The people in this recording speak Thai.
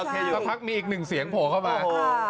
มันไปอีกหนึ่งเสียงโผล่เข้ามา